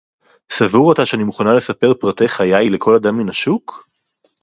סבור אתה שאני מוכנה לספר פרטי חיי לכל אדם מן השוק?!